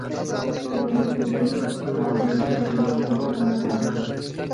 ولس په دې خوږو چایو روغ او سم راغی.